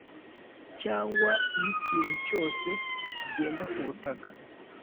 cyangwa iy’ikintu cyose kigenda ku butaka,